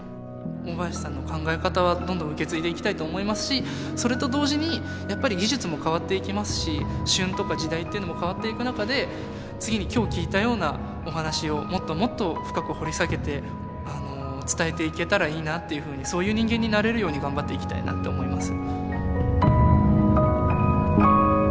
大林さんの考え方は受け継いでいきたいと思いますしそれと同時にやっぱり技術も変わっていきますし旬とか時代っていうのも変わっていく中で次に今日聞いたようなお話をもっともっと深く掘り下げて伝えていけたらいいなっていうふうにそういう人間になれるように頑張っていきたいなって思います。